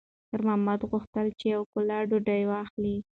خیر محمد غوښتل چې یوه ګوله ډوډۍ واخلي.